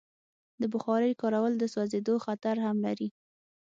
د بخارۍ کارول د سوځېدو خطر هم لري.